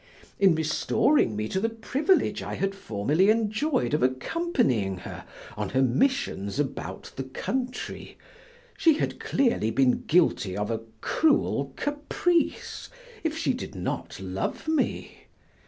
In restoring me to the privilege I had formerly enjoyed of accompanying her on her missions about the country, she had clearly been guilty of a cruel caprice if she did not love me.